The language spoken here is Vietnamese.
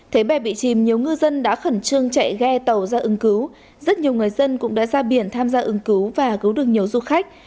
thấy bè bị chìm nhiều ngư dân đã khẩn trương chạy ghe tàu ra ứng cứu rất nhiều người dân cũng đã ra biển tham gia ứng cứu và cứu được nhiều du khách